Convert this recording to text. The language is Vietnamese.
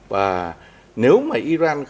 và nếu mà iran